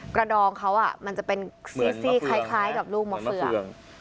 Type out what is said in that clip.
ดองเขามันจะเป็นซี่คล้ายกับลูกมะเฟือง